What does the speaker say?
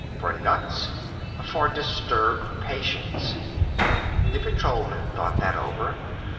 "For nuts?" "For disturbed patients." The patrolman thought that over.